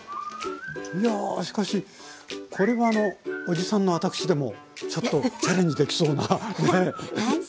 いやしかしこれはおじさんの私でもちょっとチャレンジできそうな。